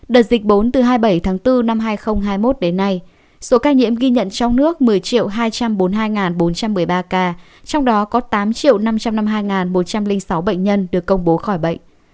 đợt dịch bốn từ hai mươi bảy tháng bốn năm hai nghìn hai mươi một đến nay số ca nhiễm ghi nhận trong nước một mươi hai trăm bốn mươi hai bốn trăm một mươi ba ca trong đó có tám năm trăm năm mươi hai một trăm linh sáu bệnh nhân được công bố khỏi bệnh